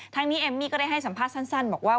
ทั้งนี้เอมมี่ก็ได้ให้สัมภาษณ์สั้นบอกว่า